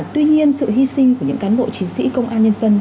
tuy nhiên sự hy sinh của những cán bộ chiến sĩ công an nhân dân